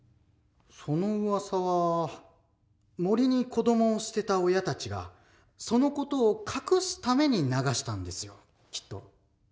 そのうわさは森に子どもを捨てた親たちがその事を隠すために流したんですよきっと。